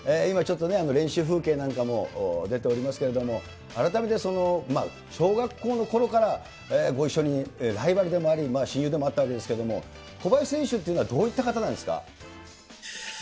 今ちょっとね、練習風景なんかも出ておりますけれども、改めて小学校のころからご一緒にライバルでもあり、親友でもあったわけですけれども、小林選手っていうのはどういった方なんですか。